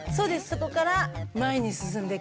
そこから前に進んでいく。